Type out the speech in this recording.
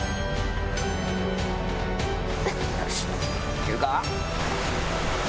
行けるか。